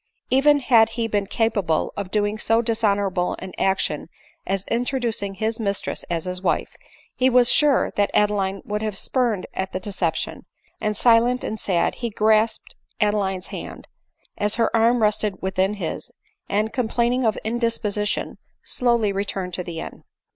Even had he been capable of doing so dishonorable an action as introducing his mistress as his wife, he was sure that Adeline would have spurned at the deception ; and silent and sad he grasped Adeline's hand, as her arm rested within his, and, complaining of indisposition, slowly returned to the inn.